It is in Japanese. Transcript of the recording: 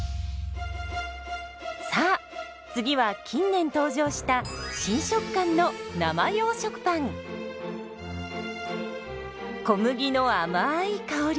さあ次は近年登場した新食感の小麦のあまい香り。